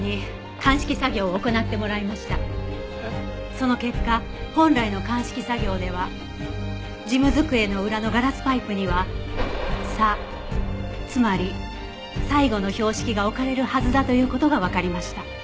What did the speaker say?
その結果本来の鑑識作業では事務机の裏のガラスパイプにはサつまり最後の標識が置かれるはずだという事がわかりました。